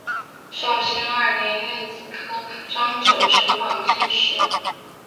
绍兴二年壬子科张九成榜进士。